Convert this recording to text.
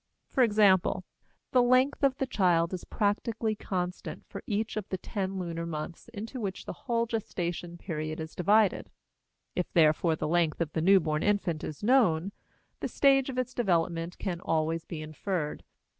For example, the length of the child is practically constant for each of the ten lunar months into which the whole gestation period is divided; if, therefore, the length of the newborn infant is known, the stage of its development can always be inferred.